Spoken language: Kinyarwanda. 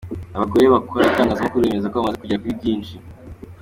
Abagore bakora itangazamakuru bemeza ko bamaze kugera kuri byinshi